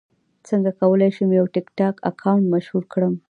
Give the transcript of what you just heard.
څنګه کولی شم یو ټکټاک اکاونټ مشهور کړم